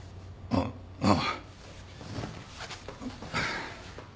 あっああ。